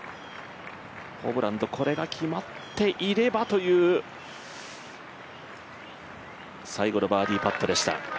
ホブランド、これが決まっていればという最後のバーディーパットでした。